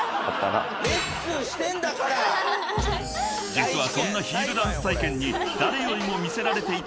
［実はそんなヒールダンス体験に誰よりも魅せられていたのが小野寺アナ］